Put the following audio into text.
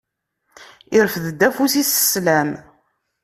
Yerfed-d afus-is s sslam.